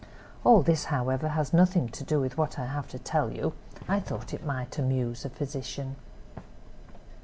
All this, however, has nothing to do with what I have to tell; I thought it might amuse a physician.